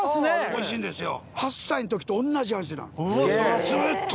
おいしいんですよ。